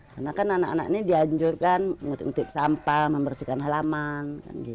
karena kan anak anak ini dianjurkan mengutip utip sampah membersihkan halaman